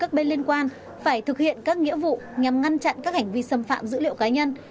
các bên liên quan phải thực hiện các nghĩa vụ nhằm ngăn chặn các hành vi xâm phạm dữ liệu cá nhân